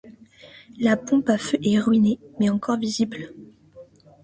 La pompe à feu est ruinée, mais encore visible.